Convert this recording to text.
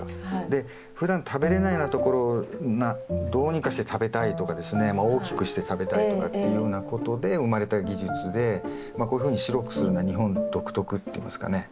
でふだん食べれないようなところをどうにかして食べたいとかですね大きくして食べたいとかっていうようなことで生まれた技術でこういうふうに白くするのは日本独特っていいますかね。